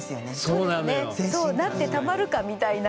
そうなってたまるかみたいな逆に。